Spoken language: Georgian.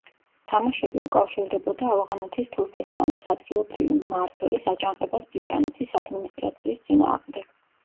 თამაშები უკავშირდებოდა ავღანეთის თურქესტანის ადგილობრივი მმართველის აჯანყებას ბრიტანეთის ადმინისტრაციის წინააღმდეგ.